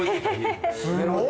すごい。